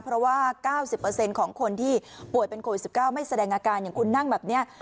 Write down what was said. เพราะว่า๙๐ของคนที่ป่วยเป็นโควิด๑๙ไม่แสดงอาการอย่างคุณนั่งแบบนี้